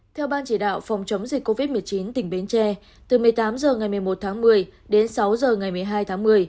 theo ban chỉ đạo phòng chống dịch covid một mươi chín tỉnh bến tre từ một mươi tám h ngày một mươi một tháng một mươi đến sáu h ngày một mươi hai tháng một mươi